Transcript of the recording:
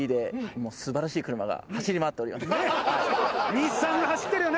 日産が走ってるよね！